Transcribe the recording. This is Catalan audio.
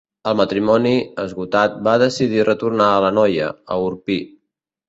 El matrimoni, esgotat, va decidir retornar a l’Anoia, a Orpí.